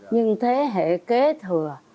nhưng thế hệ kế thừa